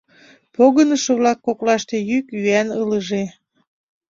Погынышо-влак коклаште йӱк-йӱан ылыже.